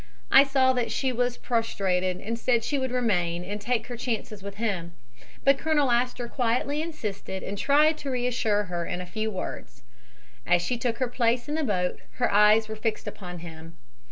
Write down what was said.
I saw that she was prostrated and said she would remain and take her chances with him, but Colonel Astor quietly insisted and tried to reassure her in a few words. As she took her place in the boat her eyes were fixed upon him.